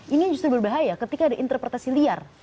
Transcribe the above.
ini justru berbahaya ketika ada interpretasi liar